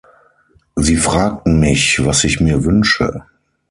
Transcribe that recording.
Sie fragten mich, was ich mir wünsche.